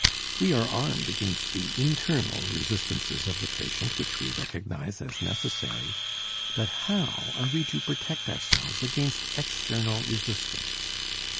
We are armed against the internal resistances of the patient which we recognize as necessary, but how are we to protect ourselves against external resistance?